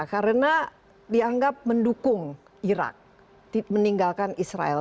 karena dianggap mendukung irak meninggalkan israel